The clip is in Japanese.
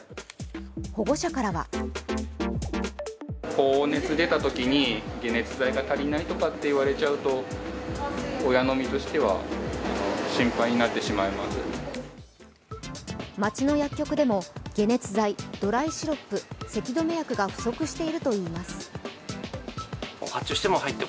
保護者からは街の薬局でも、解熱剤、ドライシロップ、せき止め薬が不足しているといいます。